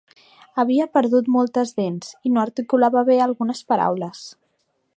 Havia perdut moltes dents i no articulava bé algunes paraules.